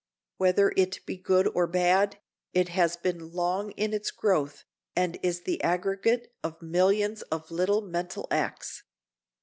Whether it be good or bad, it has been long in its growth and is the aggregate of millions of little mental acts.